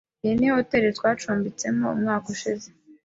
Iyi ni hoteri twacumbitsemo umwaka ushize.